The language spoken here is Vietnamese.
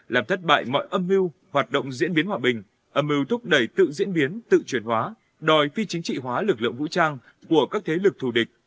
làm thất bại mọi âm mưu hoạt động diễn biến hòa bình âm mưu thúc đẩy tự diễn biến tự chuyển hóa đòi phi chính trị hóa lực lượng vũ trang của các thế lực thù địch